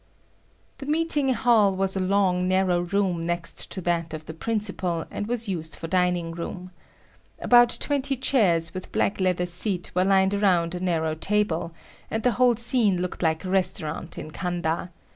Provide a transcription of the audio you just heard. The meeting hall was a long, narrow room next to that of the principal, and was used for dining room. About twenty chairs, with black leather seat, were lined around a narrow table, and the whole scene looked like a restaurant in Kanda.